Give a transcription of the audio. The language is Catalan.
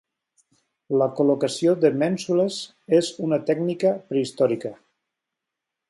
La col·locació de mènsules és una tècnica prehistòrica.